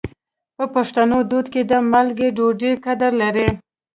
په پښتني دود کې د مالګې ډوډۍ قدر لري.